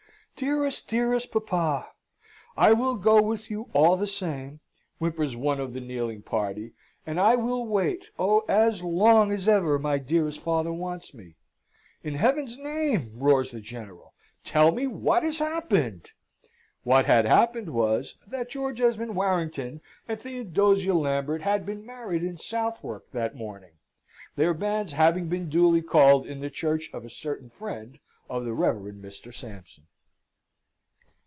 "Dearest, dearest papa! I will go with you all the same!" whimpers one of the kneeling party. "And I will wait oh! as long as ever my dearest father wants me!" "In Heaven's name!" roars the General, "tell me what has happened?" What had happened was, that George Esmond Warrington and Theodosia Lambert had been married in Southwark that morning, their banns having been duly called in the church of a certain friend of the Reverend Mr. Sampson.